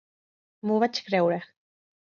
M'ho vaig creure.